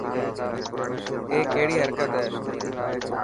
اي ڪهڙي حرڪت هي.